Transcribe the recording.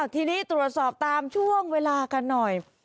ทีนี้ตรวจสอบตามช่วงเวลากันหน่อย